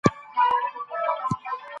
د ارغنداب سیند انځورونه د هنرمندانو الهام ده.